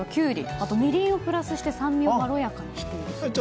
あと、みりんをプラスして酸味をまろやかにしているそうです。